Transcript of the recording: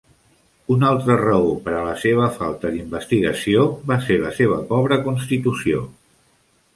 Una altra raó per a la seva falta d'investigació va ser la seva pobra constitució.